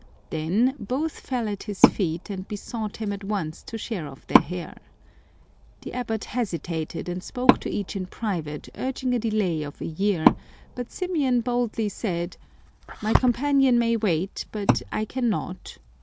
Then both fell at his feet and besought him at once to shear off their hair. The abbot hesitated, and spoke to each in private, urging a delay of a year, but Symeon boldly said, " My companion may wait, but I cannot.